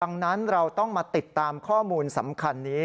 ดังนั้นเราต้องมาติดตามข้อมูลสำคัญนี้